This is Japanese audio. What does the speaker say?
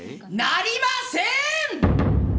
・なりません！